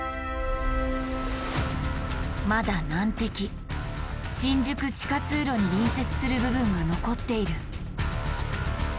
まだ難敵新宿地下通路に隣接する部分が残っている。